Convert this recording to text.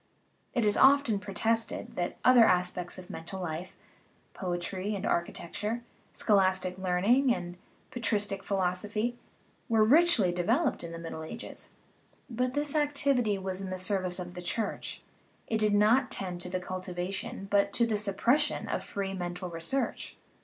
It is often protested that other aspects of mental life poetry and architecture, scholastic learning and patristic philos ophy were richly developed in the Middle Ages. But this activity was in the service of the Church; it did not tend to the cultivation, but to the suppression, of free mental research.